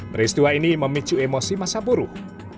peristiwa ini memicu emosi masa buruh